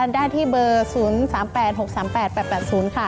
ได้ที่เบอร์๐๓๘๖๓๘๘๘๐ค่ะ